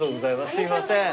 すいません。